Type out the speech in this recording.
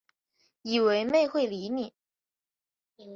以为妹会理你